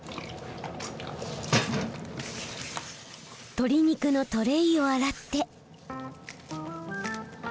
鶏肉のトレーを洗って。